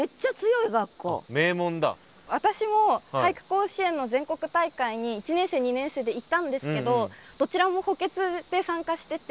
私も俳句甲子園の全国大会に１年生２年生で行ったんですけどどちらも補欠で参加してて。